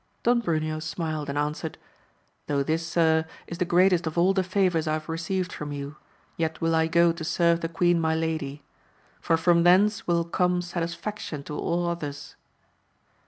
Don Bruneo smiled and answered. Though this, sir, is the greatest of all the favours I have received from you, yet will I go to serve the queen my lady; for from thence will come satisfaction to all others.